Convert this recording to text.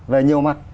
về nhiều mặt